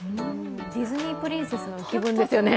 ディズニープリンセスの気分ですよね。